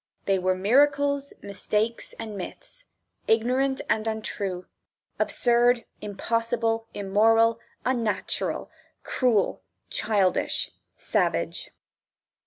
They were miracles, mistakes, and myths, ignorant and untrue, absurd, impossible, immoral, unnatural, cruel, childish, savage.